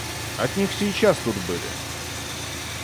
От них сейчас тут были.